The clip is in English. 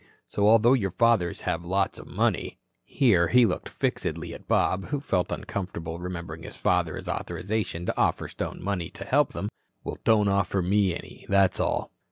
So, although your fathers have lots of money" here he looked fixedly at Bob, who felt uncomfortable remembering his father's authorization to offer Stone money to help them "well, don't offer me any, that's all."